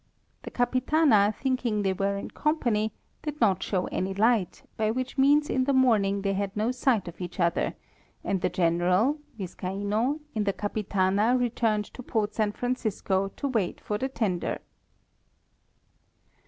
The Capitana, think ing they were in company, did not shew any light, by which means in the morning they had no sight of each other, and the general ( Viscaino) in the Capitana returned to port San Fraucisco to wait for the tender.